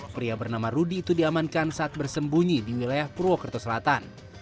pria bernama rudy itu diamankan saat bersembunyi di wilayah purwokerto selatan